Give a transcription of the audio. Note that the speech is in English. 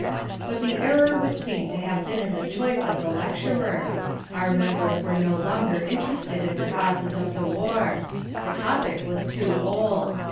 But the error was seen to have been in the choice of the lecturer. Our members were no longer interested in the causes of the war. The topic was too old.